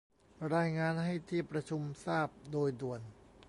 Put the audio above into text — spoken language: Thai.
รายงานให้ที่ประชุมทราบโดยด่วน